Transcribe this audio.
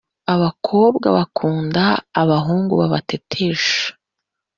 Abakobwa bakunda abahungu babatetesha